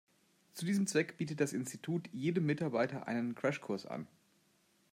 Zu diesem Zweck bietet das Institut jedem Mitarbeiter einen Crashkurs an.